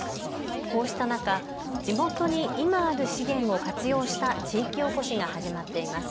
こうした中、地元に今ある資源を活用した地域おこしが始まっています。